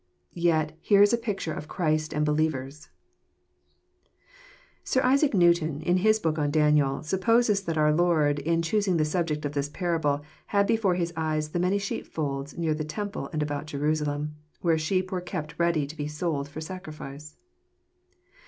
Tet here is a picture of Christ and believers !" Sir Isaac Newton, in his book on Daniel, supposes that our Lord, in choosing the subject of this parable, had before His eyes the many sheepfolds near the temple and about Jerusalem, where sheep were kept ready to be sold for sacrifice.